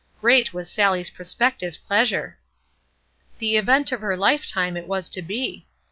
Great was Sallie's prospective pleasure! The event of her lifetime it was to be.